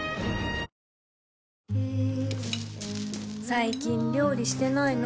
最近料理してないの？